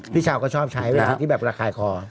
พี่ชาวก็ชอบใช้เวลาที่แบบระคายคอ